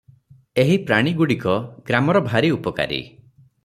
ଏହି ପ୍ରାଣୀଗୁଡ଼ିକ ଗ୍ରାମର ଭାରି ଉପକାରୀ ।